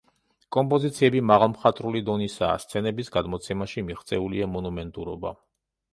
კომპოზიციები მაღალმხატვრული დონისაა; სცენების გადმოცემაში მოღწეულია მონუმენტურობა.